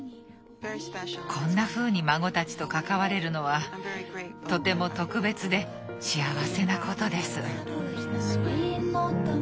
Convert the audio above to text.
こんなふうに孫たちと関われるのはとても特別で幸せなことです。